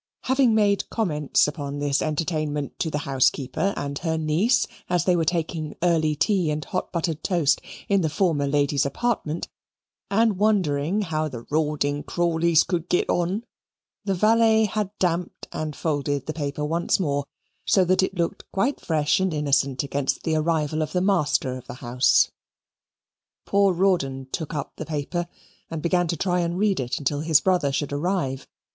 Having made comments upon this entertainment to the housekeeper and her niece as they were taking early tea and hot buttered toast in the former lady's apartment, and wondered how the Rawding Crawleys could git on, the valet had damped and folded the paper once more, so that it looked quite fresh and innocent against the arrival of the master of the house. Poor Rawdon took up the paper and began to try and read it until his brother should arrive.